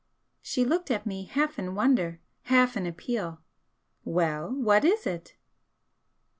She looked at me half in wonder, half in appeal. "Well, what is it?"